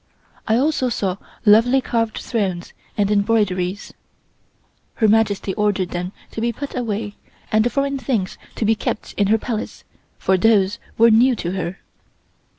I also saw lovely carved thrones and embroideries. Her Majesty ordered them to be put away, and the foreign things to be kept in her Palace, for those were new to her.